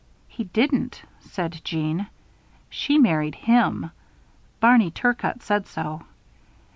"He didn't," said Jeanne. "She married him Barney Turcott said so.